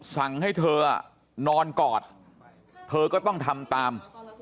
สั่งให้เธอนอนกอดเธอก็ต้องทำตาม